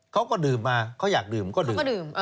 เขาก็ดื่มมาเขาอยากดื่มก็ดื่ม